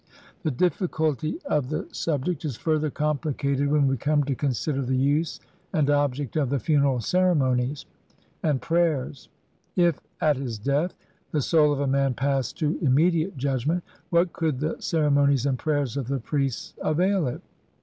The difficulty of the sub CVIII INTRODUCTION. ject is further complicated when we come to consider the use and object of the funeral ceremonies and prayers. If at his death the soul of a man passed to immediate judgment, what could the ceremonies and prayers of the priests avail it?